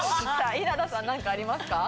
稲田さん何かありますか？